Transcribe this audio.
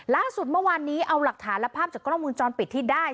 ล่าสุดเมื่อวานนี้เอาหลักฐานและภาพจากกล้องมูลจรปิดที่ได้